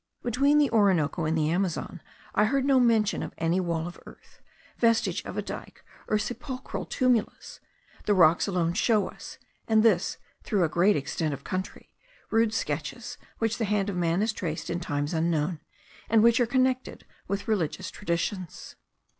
Between the Orinoco and the Amazon I heard no mention of any wall of earth, vestige of a dyke, or sepulchral tumulus; the rocks alone show us (and this through a great extent of country), rude sketches which the hand of man has traced in times unknown, and which are connected with religious traditions.